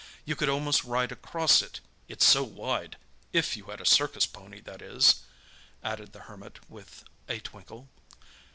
You could almost ride across it, it's so wide—if you had a circus pony, that is," added the Hermit with a twinkle.